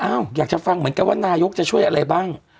อยากจะฟังเหมือนกันว่านายกจะช่วยอะไรบ้าง